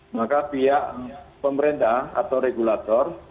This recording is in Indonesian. maka pihak pemerintah atau regulator